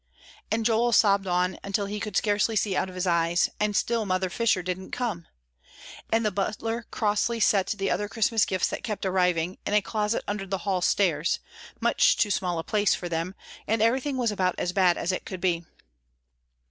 And Joel sobbed on until he could scarcely see out of his eyes, and still Mother Fisher didn't come. And the butler crossly set the other Christmas gifts that kept arriving, in a closet under the hall stairs, much too small a place for them, and everything was about as bad as it could be.